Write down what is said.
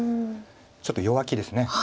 ちょっと弱気です。